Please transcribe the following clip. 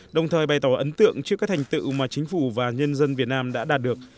đồng thời bày tỏ ấn tượng trước các thành tựu mà chính phủ và nhân dân việt nam đã đạt được